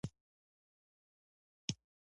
غالۍ له زړه نه جوړ شوی هنر دی.